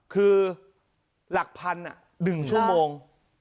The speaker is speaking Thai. คือหลักพัน๑ชั่วโมง